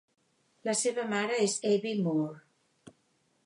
La seva mare és Abby Moore.